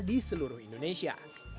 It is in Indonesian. di seluruh indonesia